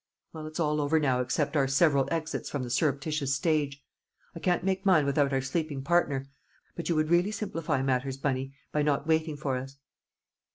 Well, it's all over now except our several exits from the surreptitious stage. I can't make mine without our sleeping partner, but you would really simplify matters, Bunny, by not waiting for us."